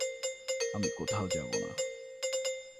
আমি কোথাও যাবো না।